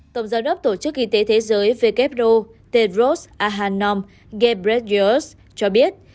tổng giáo đốc tổ chức y tế thế giới wro tedros adhanom ghebreyesus cho biết